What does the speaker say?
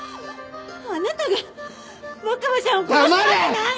あなたが若葉ちゃんを殺すわけない！